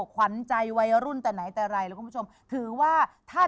ขวัญใจวัยรุ่นแต่ไหนแต่อะไร